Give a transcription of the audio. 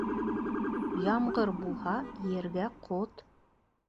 Ямғыр булһа, ергә ҡот.